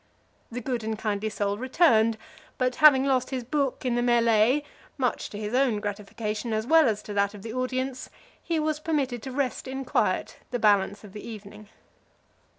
The good and kindly soul returned, but having lost his book in the melee, much to his own gratification, as well as to that of the audience, he was permitted to rest in quiet the balance of the evening.